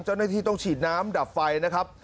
เจ้าหน้าที่ต้องฉีดน้ำดับไฟนะครับ